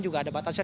juga ada batasnya